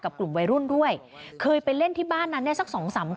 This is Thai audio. กลุ่มวัยรุ่นด้วยเคยไปเล่นที่บ้านนั้นเนี่ยสักสองสามคน